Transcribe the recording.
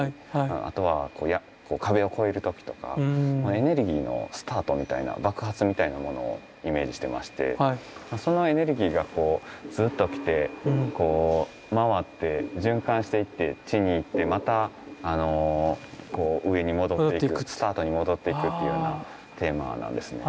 あとは壁を越える時とかエネルギーのスタートみたいな爆発みたいなものをイメージしてましてそのエネルギーがこうずうっと来て回って循環していって地に行ってまた上に戻っていくスタートに戻っていくっていうようなテーマなんですね。